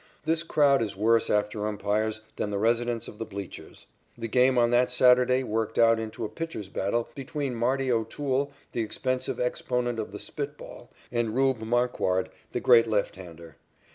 This crowd is worse after umpires than the residents of the bleachers. The game on that Saturday worked out into a pitchers' battle between Marty O'Toole, the expensive exponent of the spit ball, and "Rube" Marquard, the great left hander.